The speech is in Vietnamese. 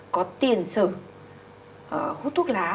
có tiền sử hút thuốc lá